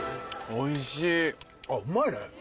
おいしい！